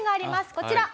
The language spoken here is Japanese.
こちら。